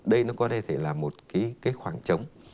đây nó có thể là một cái khoảng trống